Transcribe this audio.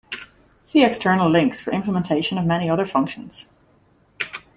See external links for implementations of many other functions.